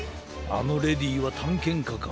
あのレディーはたんけんかか。